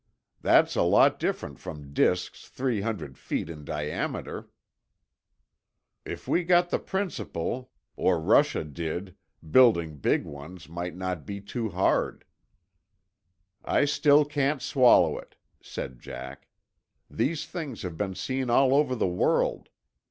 "That's a lot different from disks three hundred feet in diameter." "If we got the principle—or Russia did building big ones might not be too hard." "I still can't swallow it," said Jack. "These things have been seen all over the world.